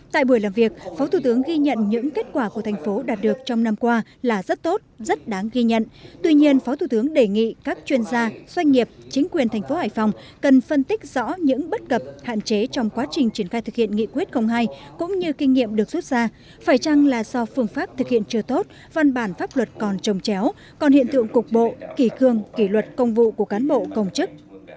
tại buổi làm việc phó thủ tướng ghi nhận những kết quả của thành phố đạt được trong năm qua là rất tốt rất đáng ghi nhận tuy nhiên phó thủ tướng đề nghị các chuyên gia doanh nghiệp chính quyền thành phố hải phòng cần phân tích rõ những bất cập hạn chế trong quá trình triển khai thực hiện nghị quyết hai cũng như kinh nghiệm được xuất ra phải chăng là do phương pháp thực hiện chưa tốt văn bản pháp luật còn trồng chéo còn hiện tượng cục bộ kỳ cương kỳ luật công vụ của cán bộ công chức